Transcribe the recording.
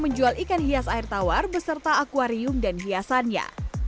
menjual ikan hias air tawar beserta akwarium dan hiasannya